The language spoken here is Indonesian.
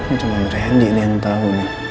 ini cuma merhenti nih yang tau